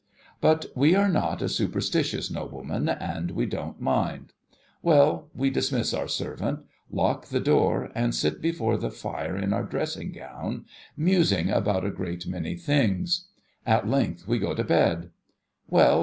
But, we are not a superstitious nobleman, and we don't mind. Well ! we dismiss our servant, lock the door, and sit before the fire in our dressing gown, musing about a great many things. At length we go to bed. Well